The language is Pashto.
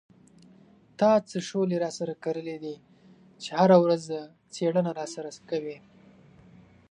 تا څه شولې را سره کرلې دي چې هره ورځ څېړنه را سره کوې.